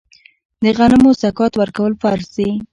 د غنمو زکات ورکول فرض دي.